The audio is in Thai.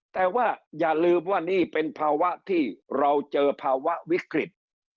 แต่ว่าอย่าลืมว่านี่เป็นภาวะที่เราเจอภาวะวิกฤต